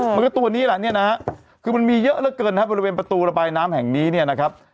มันก็ตัวนี้แหละคือมันมีเยอะเยอะเกินบริเวณประตูระบายน้ำแห่งนี้นะครับ